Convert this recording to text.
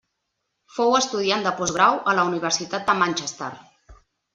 Fou estudiant de postgrau a la Universitat de Manchester.